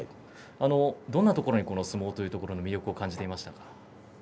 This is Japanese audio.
どんなところに相撲の魅力を感じていましたか？